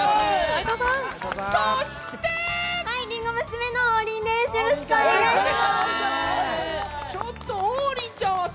りんご娘の王林です。